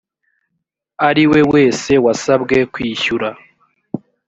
ariwe wese wasabwe kwishyura